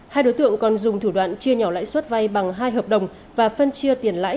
hai đối tượng còn dùng thủ đoạn chia nhỏ lãi suất vay bằng hai hợp đồng và phân chia tiền lãi